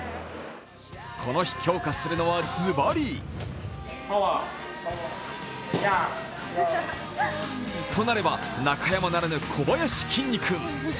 この日、強化するのはズバリとなれば、中山ならぬ小林きんにくん。